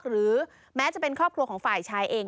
หรือแม้จะเป็นครอบครัวของฝ่ายชายเอง